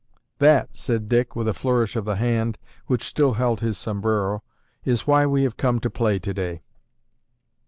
"That," said Dick with a flourish of the hand which still held his sombrero, "is why we have time to play today."